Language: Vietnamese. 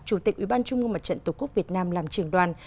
chủ tịch ủy ban trung mương mặt trận tổ quốc việt nam làm trường đoàn